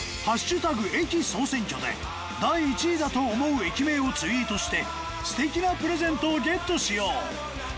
駅総選挙で第１位だと思う駅名をツイートして素敵なプレゼントをゲットしよう。